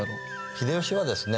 秀吉はですね